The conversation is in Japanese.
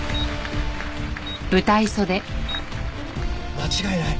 間違いない。